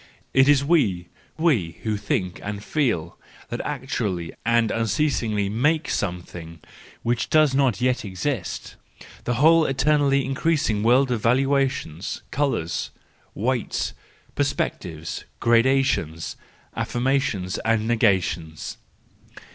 It is we, we who think and feel, that actually and unceasingly make something which does not yet exist: the whole eternally increasing world of valuations, colours, weights, perspectives, gradations, affirmations and negations.